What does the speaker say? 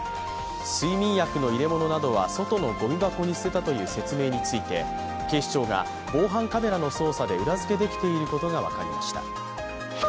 睡眠薬の入れ物などは外のごみ箱に捨てたという説明について警視庁が防犯カメラの捜査で裏付けできていることが分かりました。